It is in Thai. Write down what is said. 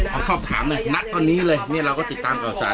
เอาข้อตามนัดต่อนี้เลยเราก็ติดตามข่าวสาร